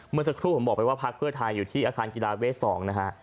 เมื่อสักครู่ผมบอกไปว่าพักเพื่อไทยอยู่ที่อาคารกีฬาเวท๒นะฮะ